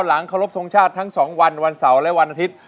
หลังเคารพทงชาติทั้ง๒วันวันเสาร์และวันอาทิตย์